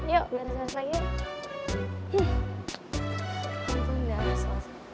yuk beres beres lagi